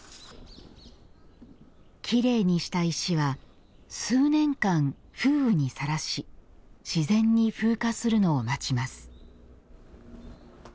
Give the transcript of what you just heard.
きれいにした石は数年間、風雨にさらし自然に風化するのを待ちます。